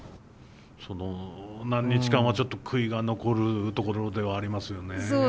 その何日間はちょっと悔いが残るところではありますよね。